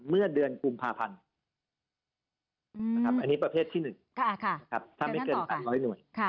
เมื่อเดือนกุมภาพันธ์อันนี้ประเภทที่๑ถ้าไม่เกิน๓๐๐หน่วย